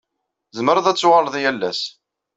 Tzemreḍ ad tuɣaleḍ yal ass.